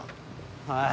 はい。